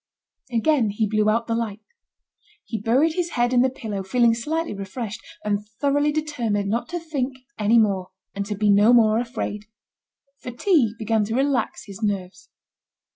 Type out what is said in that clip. Again he blew out the light. He buried his head in the pillow, feeling slightly refreshed, and thoroughly determined not to think any more, and to be no more afraid. Fatigue began to relax his nerves.